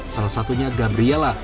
salah satunya gabriela